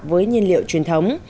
với nhiên liệu truyền thống